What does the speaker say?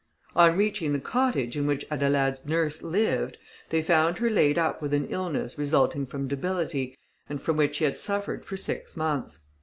On reaching the cottage, in which Adelaide's nurse lived, they found her laid up with an illness resulting from debility, and from which she had suffered for six months.